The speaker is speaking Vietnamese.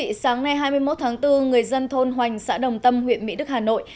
thưa quý sáng nay hai mươi một tháng bốn người dân thôn hoành xã đồng tâm huyện mỹ đức hà nội